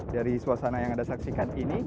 dari suasana yang anda saksikan ini